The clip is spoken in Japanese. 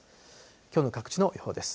きょうの各地の予報です。